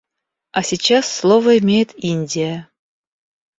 А сейчас слово имеет Индия.